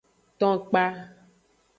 Ton kpa.